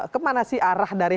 kemana sih arah dari